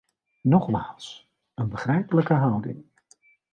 Nogmaals, een begrijpelijke houding.